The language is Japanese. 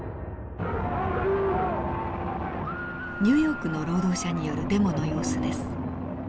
ニューヨークの労働者によるデモの様子です。